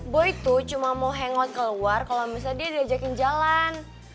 boy tuh cuma mau hangot keluar kalau misalnya dia diajakin jalan